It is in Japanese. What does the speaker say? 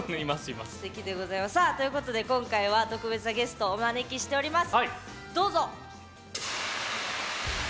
すてきでございます。ということで、今回は特別なゲストをお招きしております。